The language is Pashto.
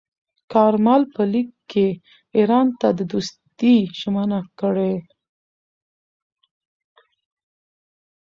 کارمل په لیک کې ایران ته د دوستۍ ژمنه کړې.